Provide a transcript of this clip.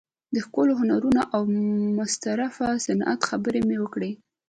د ښکلو هنرونو او مستطرفه صنعت خبره مې وکړه.